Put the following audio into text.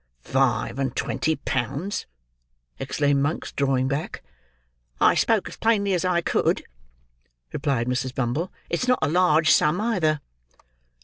"Five and twenty pounds!" exclaimed Monks, drawing back. "I spoke as plainly as I could," replied Mrs. Bumble. "It's not a large sum, either."